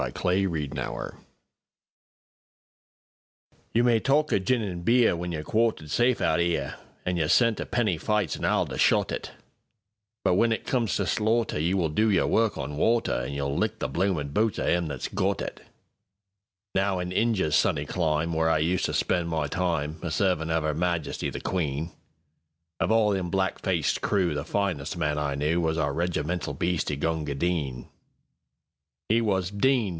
Rudyard Kipling1865–1936 Gunga Din YOU may talk o' gin an' beerWhen you're quartered safe out 'ere, An' you're sent to penny fights an' Aldershot it; But if it comes to slaughterYou will do your work on water, An' you'll lick the bloomin' boots of 'im that's got it. Now in Injia's sunny clime, Where I used to spend my timeA servin' of 'Er Majesty the Queen, Of all them black faced crewThe finest man I knewWas our regimental bhisti, Gunga Din.It was "Din!